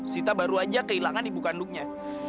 sita baru aja kehilangan ibu kandungnya